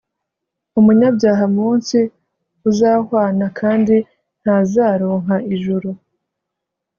umunyabyaha mu nsi uzahwana kandi ntazaronka ijuru